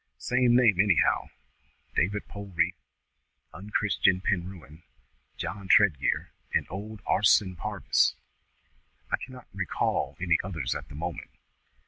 Same name, anyhow. David Polreath, Unchris'en Penrewen, John Tredgear, and old Arson Parvis." "I cannot recall any others at the moment."